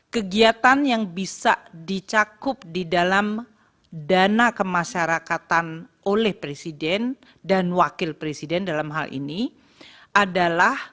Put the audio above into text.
kegiatan yang bisa dicakup di dalam dana kemasyarakatan oleh presiden dan wakil presiden dalam hal ini adalah